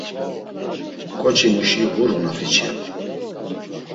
Ǩoçimuşi ğurun afiçiru.